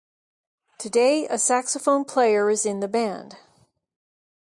Today a saxophone player is in the band.